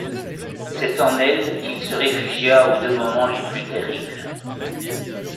C'est en elle qu'il se réfugia aux deux moments les plus terribles.